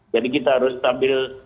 jadi kita harus sambil